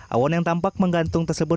awan yang tampak menggantung tersebut